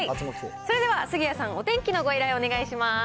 それでは杉谷さん、お天気のご依頼、お願いします。